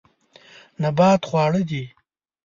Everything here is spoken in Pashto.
نبات خواړه دي.